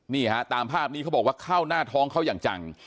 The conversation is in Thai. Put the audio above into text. นี่ฮะตามภาพนี้เขาบอกว่าเข้าหน้าท้องเขาอย่างจัง